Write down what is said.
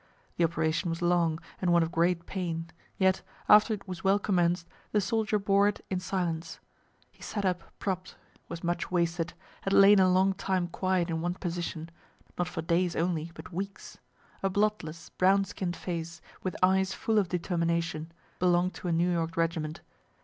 The operation was long, and one of great pain yet, after it was well commenced, the soldier bore it in silence. He sat up, propp'd was much wasted had lain a long time quiet in one position (not for days only but weeks,) a bloodless, brown skinn'd face, with eyes full of determination belong'd to a New York regiment.